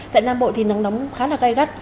tại nam bộ thì nắng nóng khá là gai gắt